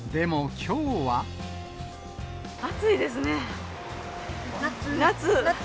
暑いですね。